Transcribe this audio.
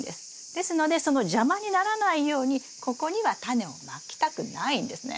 ですのでその邪魔にならないようにここにはタネをまきたくないんですね。